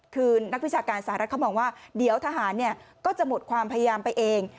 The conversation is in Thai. คือนักวิชาการสหรัฐเขามองว่าเดี๋ยวทหารก็จะหมดความพยายามไปเอง